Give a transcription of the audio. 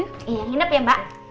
nginep ya mbak